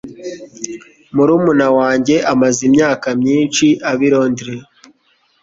Murumuna wanjye amaze imyaka myinshi aba i Londres.